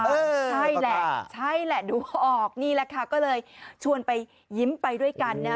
ใช่แหละใช่แหละดูออกนี่แหละค่ะก็เลยชวนไปยิ้มไปด้วยกันนะฮะ